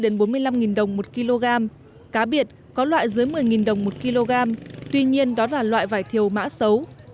nghìn đồng một kg cá biệt có loại dưới một mươi đồng một kg tuy nhiên đó là loại vải thiều mã xấu